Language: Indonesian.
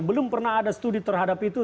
belum pernah ada studi terhadap itu